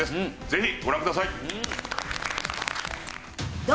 ぜひご覧ください。